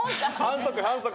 反則反則。